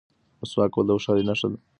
مسواک وهل د هوښیارۍ نښه ده.